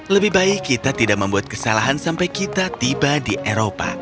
lebih baik kita tidak membuat kesalahan sampai kita tiba di eropa